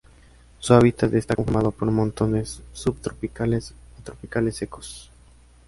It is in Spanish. Su hábitat está conformado por montes subtropicales o tropicales secos.